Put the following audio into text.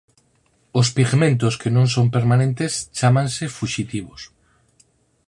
Os pigmentos que non son permanentes chámanse fuxitivos.